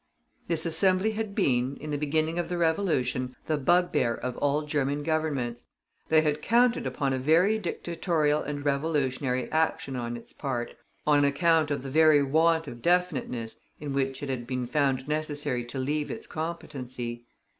This Assembly had been, in the beginning of the Revolution, the bugbear of all German Governments. They had counted upon a very dictatorial and revolutionary action on its part on account of the very want of definiteness in which it had been found necessary to leave its competency.